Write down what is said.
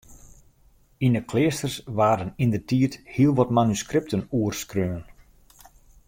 Yn 'e kleasters waarden yndertiid hiel wat manuskripten oerskreaun.